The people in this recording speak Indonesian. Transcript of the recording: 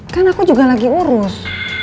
kan aku juga lagi urus